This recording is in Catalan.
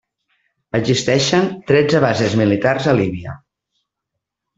Existeixen tretze bases militars a Líbia.